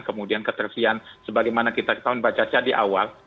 kemudian ketersian sebagaimana kita tahu baca baca di awal